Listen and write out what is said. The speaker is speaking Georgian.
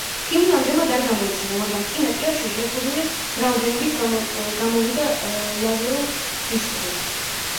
ფილმი ამჟამად არ გამოიცემა, მაგრამ წინა წლებში შეზღუდული რაოდენობით გამოვიდა ლაზერულ დისკზე.